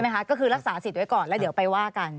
ไหมคะก็คือรักษาสิทธิ์ไว้ก่อนแล้วเดี๋ยวไปว่ากัน